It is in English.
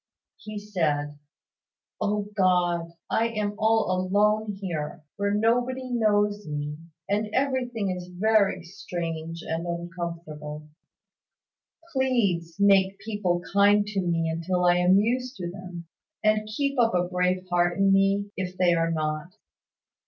He said "O God, I am all alone here, where nobody knows me; and everything is very strange and uncomfortable. Please, make people kind to me till I am used to them; and keep up a brave heart in me, if they are not.